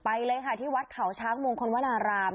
ไปเลยค่ะที่วัดเขาช้างมงคลวนาราม